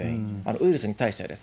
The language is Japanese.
ウイルスに対してです。